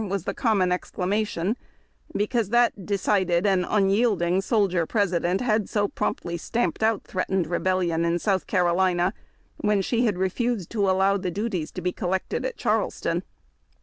" was the common excla mation, because that decided and unyielding soldier Presi dent had so promptly stamped out threatened rebellion in South Carolina, when she liad refused to allow the duties to be collected at Charleston.